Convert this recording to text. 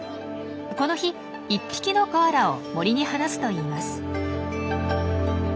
この日１匹のコアラを森に放すといいます。